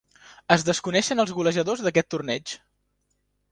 Es desconeixen els golejadors d'aquest torneig.